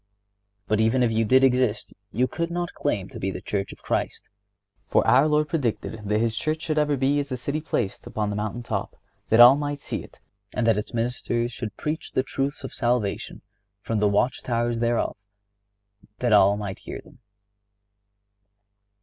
But even if you did exist you could not claim to be the Church of Christ; for our Lord predicted that His Church should ever be as a city placed upon the mountain top, that all might see it, and that its ministers should preach the truths of salvation from the watch towers thereof, that all might hear them.